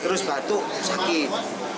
terus batuk sakit